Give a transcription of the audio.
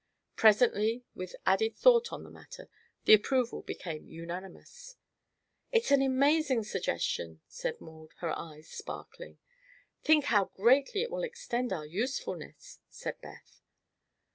Presently, with added thought on the matter, the approval became unanimous. "It's an amazing suggestion," said Maud, her eyes sparkling. "Think how greatly it will extend our usefulness," said Beth.